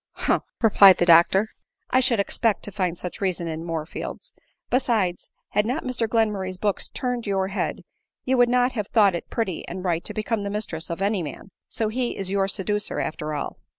" Humph !" replied the doctor, " I should expect to find such reason in Moorfields; besides, had not Mr Glenmurray's books turned your head, you would not have thought it pretty and right to become the mistress of any man ; so he is your seducer, after all."